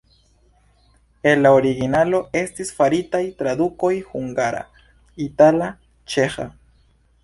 El la originalo estis faritaj tradukoj hungara, itala, ĉeĥa.